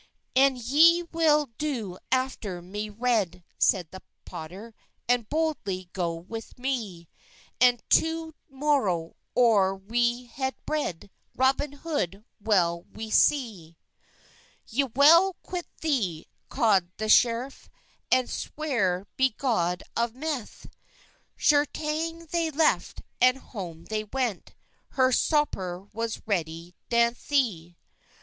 "And ye well do afftyr mey red," seyde the potter, "And boldeley go with me, And to morow, or we het bred, Roben Hode wel we se." "Y well queyt the," kod the screffe, And swer be god of meythe; Schetyng thay left, and hom they went, Her scoper was redey deythe.